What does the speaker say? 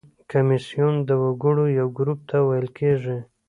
کمیسیون د وګړو یو ګروپ ته ویل کیږي.